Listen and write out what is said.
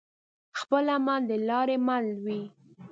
خپل عمل دلاري مل وي